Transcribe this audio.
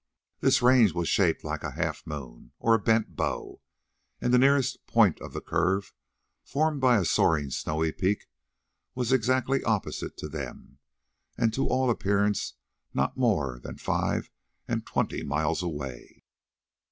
This range was shaped like a half moon, or a bent bow, and the nearest point of the curve, formed by a soaring snowy peak, was exactly opposite to them, and to all appearance not more than five and twenty miles away.